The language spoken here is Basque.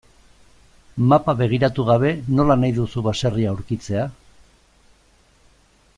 Mapa begiratu gabe nola nahi duzu baserria aurkitzea?